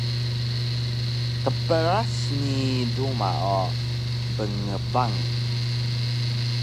qpras ni duma o bngbang